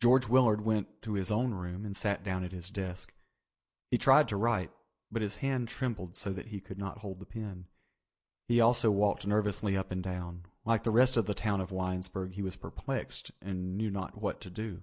George Willard went to his own room and sat down at his desk. He tried to write but his hand trembled so that he could not hold the pen. He also walked nervously up and down. Like the rest of the town of Winesburg he was perplexed and knew not what to do.